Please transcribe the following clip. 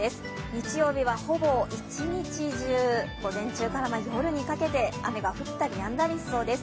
日曜日はほぼ一日中、午前中から夜にかけて雨が降ったりやんだりしそうです。